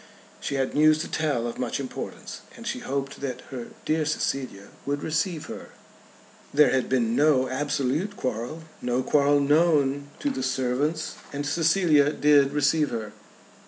She had news to tell of much importance, and she hoped that her "dear Cecilia" would receive her. There had been no absolute quarrel, no quarrel known to the servants, and Cecilia did receive her.